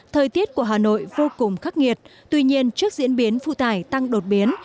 thời tiết của hà nội vô cùng khắc nghiệt tuy nhiên trước diễn biến phụ tải tăng đột biến